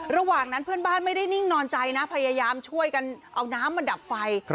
ระหว่างนั้นเพื่อนบ้านไม่ได้นิ่งนอนใจนะพยายามช่วยกันเอาน้ำมาดับไฟ